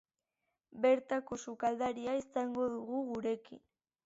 Bertako sukaldaria izango dugu gurekin.